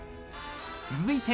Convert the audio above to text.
［続いて］